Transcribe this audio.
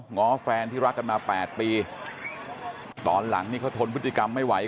ง้อแฟนที่รักกันมา๘ปีตอนหลังนี่เขาทนพฤติกรรมไม่ไหว